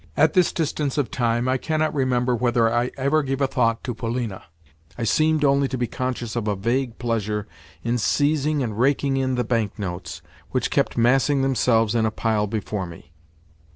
At this distance of time I cannot remember whether I ever gave a thought to Polina; I seemed only to be conscious of a vague pleasure in seizing and raking in the bank notes which kept massing themselves in a pile before me.